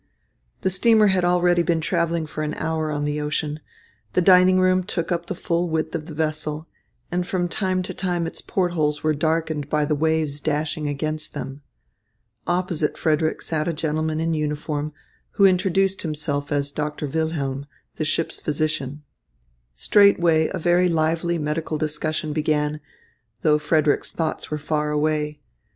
The steamer had already been travelling for an hour on the ocean. The dining room took up the full width of the vessel, and from time to time its port holes were darkened by the waves dashing against them. Opposite Frederick sat a gentleman in uniform, who introduced himself as Doctor Wilhelm, the ship's physician. Straightway a very lively medical discussion began, though Frederick's thoughts were far away.